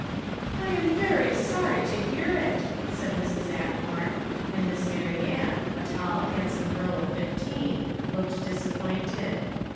"I am very sorry to hear it," said Mrs. Atmore; and Miss Marianne, a tall, handsome girl of fifteen, looked disappointed.